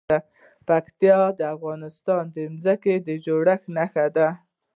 پکتیکا د افغانستان د ځمکې د جوړښت نښه ده.